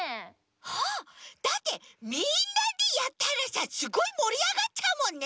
あっだってみんなでやったらさすごいもりあがっちゃうもんね！